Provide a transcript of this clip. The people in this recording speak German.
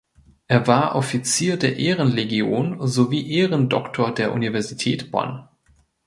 Er war Offizier der Ehrenlegion sowie Ehrendoktor der Universität Bonn.